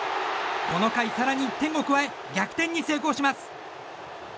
この回、更に１点を加え逆転に成功します。